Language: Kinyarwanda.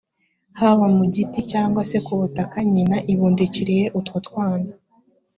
haba mu giti cyangwa se ku butaka, nyina ibundikiriye utwo twana